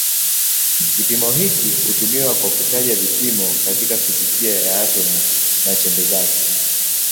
Kipimo hiki hutumiwa kwa kutaja vipimo katika fizikia ya atomi na chembe zake.